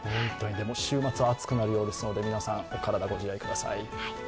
週末は暑くなるようですので、皆さん、お体ご自愛ください。